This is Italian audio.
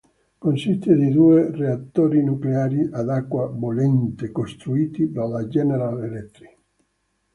Consiste di due reattori nucleari ad acqua bollente costruiti dalla General Electric.